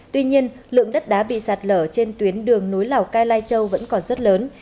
tuy nhiên lượng đất đá bị sạt lở trên tuyến đường nối lào cai lai châu vẫn còn rất lớn